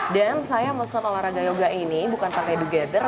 dan saya mesen olahraga yoga ini bukan pakai together